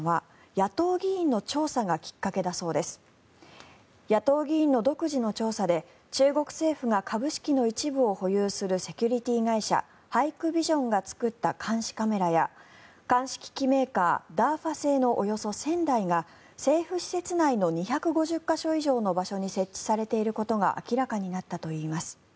野党議員の独自の調査で中国政府が株式の一部を保有するセキュリティー会社ハイクビジョンが作った監視カメラや鑑識メーカー、ダーファ製のおよそ１０００台が政府施設内の２５０か所以上の場所に設置されていることが明らかになったといいます。